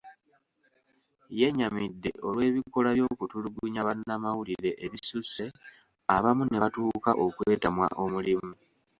Yennyamidde olw'ebikolwa by'okutulugunya bannamawulire ebisusse, abamu ne batuuka okwetamwa omulimu.